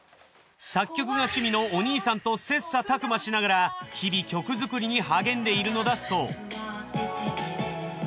作曲が趣味のお兄さんと切磋琢磨しながら日々曲作りに励んでいるのだそう。